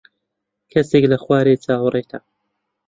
کەسێک لە خوارێ چاوەڕێتە.